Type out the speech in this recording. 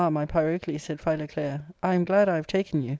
my Pyrocles," Isaid Philoclea, "I am glad I have taken you.